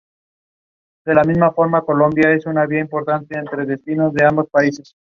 Piratas, riesgos y redes en el nuevo desorden global".